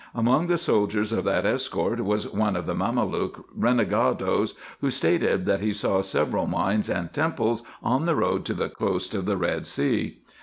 Among the soldiers of that escort was one of the Mameluke re negadoes, who stated, that he saw several mines and temples on the road to the coast of the Red Sea.